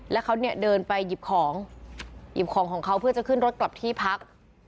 แล้วเขาเนี่ยเดินไปหยิบของหยิบของของเขาเพื่อจะขึ้นรถกลับที่พัก